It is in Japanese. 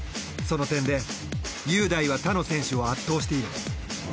その点で雄大は他の選手を圧倒している。